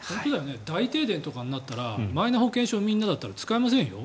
大停電とかになったらマイナ保険証、みんなだったら使えませんよ。